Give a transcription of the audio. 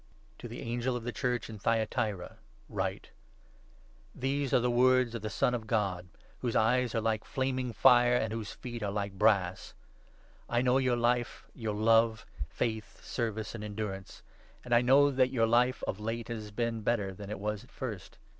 To the Angel of the Church in Thyatira write :— 18 " These are the words of the Son of God, ' whose eyes are like flaming fire, and whose feet are like brass ':— I know 19 your life, your love, faith, service, and endurance ; and I know that your life of late has been better than it was at first.